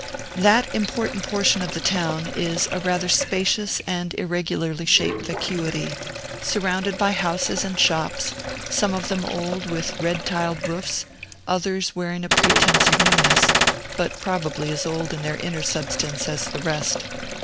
That important portion of the town is a rather spacious and irregularly shaped vacuity, surrounded by houses and shops, some of them old, with red tiled roofs, others wearing a pretence of newness, but probably as old in their inner substance as the rest.